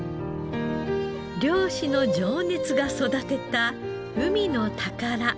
漁師の情熱が育てた海の宝。